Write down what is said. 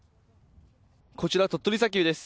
こちら、鳥取砂丘です。